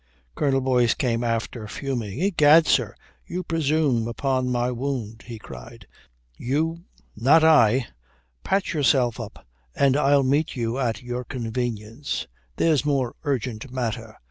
Colonel Boyce came after, fuming. "Egad, sir, you presume upon my wound," he cried. "You " "Not I. Patch yourself up and I'll meet you at your convenience. There's more urgent matter.